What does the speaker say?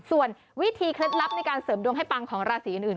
ส่วนวิธีเคล็ดลับในการเสริมดวงให้ปังของราศีอื่น